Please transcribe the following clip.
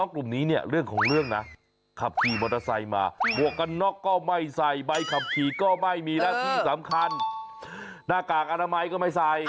ก็ไม่มีนะสิ่งสำคัญหน้ากากอนามัยก็ไม่ใส่